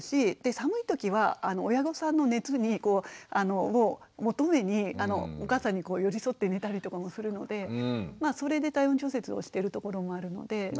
寒い時は親御さんの熱を求めにお母さんに寄り添って寝たりとかもするのでそれで体温調節をしてるところもあるので。